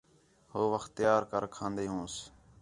ہو وخت تیار کر کھان٘دے ہونس